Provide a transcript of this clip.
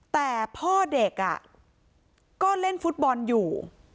แต่พ่อเด็กก็เล่นฟุตบอลอยู่